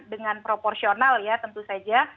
dengan proporsional ya tentu saja